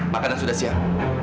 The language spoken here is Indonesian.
makanan sudah siap